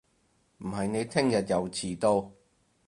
唔係你聽日又遲到